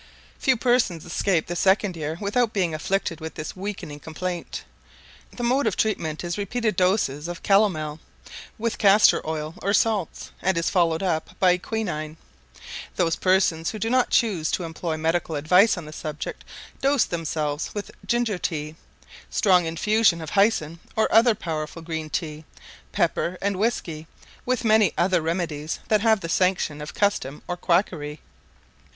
Few persons escape the second year without being afflicted with this weakening complaint; the mode of treatment is repeated doses of calomel, with castor oil or salts, and is followed up by quinine. Those persons who do not choose to employ medical advice on the subject, dose themselves with ginger tea, strong infusion of hyson, or any other powerful green tea, pepper, and whiskey, with many other remedies that have the sanction of custom or quackery.